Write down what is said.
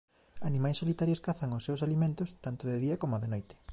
Animais solitarios cazan os seus alimentos tanto de día coma de noite.